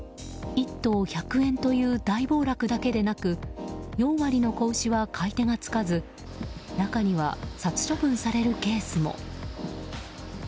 １頭１００円という大暴落だけでなく４割の子牛は買い手がつかず中には殺処分されるケースも。